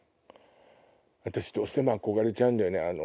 私どうしても憧れちゃうんだよね